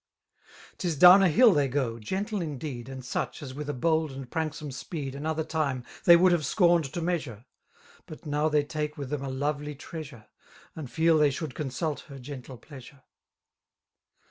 'Us down a hfll they gOj gentle indeed. And such^ as with a bold and pranksome speed M Another time they would have scorned to measure; But now they take with them a lovely treasure^ And feel they should consult her gentle pleaisure.